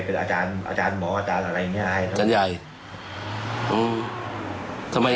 ก็ในไหนเราตั้งใจอันนี้ไม่ได้แล้วใช่ไหม